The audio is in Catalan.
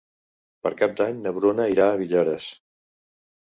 Per Cap d'Any na Bruna irà a Villores.